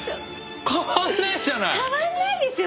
変わんないですよ